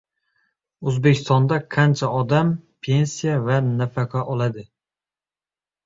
O‘zbekistonda qancha odam pensiya va nafaqa oladi?